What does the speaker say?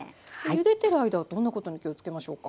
ゆでてる間はどんなことに気をつけましょうか。